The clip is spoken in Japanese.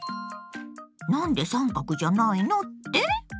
何で三角じゃないの？って？